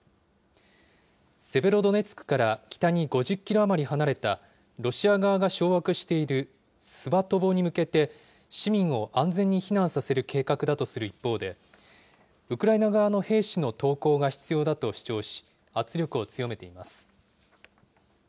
セベロドネツクから北に５０キロ余り離れた、ロシア側が掌握しているスバトボに向けて、市民を安全に避難させる計画だとする一方で、ウクライナ側の兵士の投降が必要だと主張し、圧力を強めています。